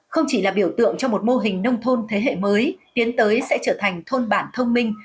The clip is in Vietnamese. không chỉ là biểu tượng cho một mô hình nông thôn thế hệ mới tiến tới sẽ trở thành thôn bản thông minh